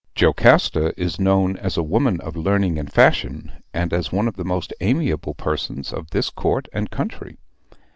"Jocasta is known as a woman of learning and fashion, and as one of the most amiable persons of this court and country.